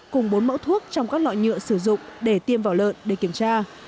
cùng bốn mẫu thuốc trong các lọ nhựa sử dụng để tiêm vào lợn để kiểm tra